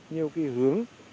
nhiều cái hướng